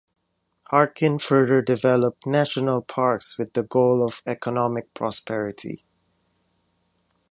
Harkin further developed national parks with the goal of economic prosperity.